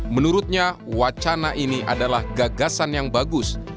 menurutnya wacana ini adalah gagasan yang bagus